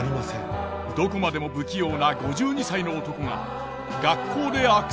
どこまでも不器用な５２歳の男が学校で悪戦苦闘。